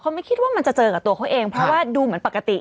ไม่คิดว่ามันจะเจอกับตัวเขาเองเพราะว่าดูเหมือนปกติ